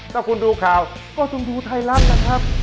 ถ้าคุณดูข่าวก็คุณดูไทยรัฐนะครับ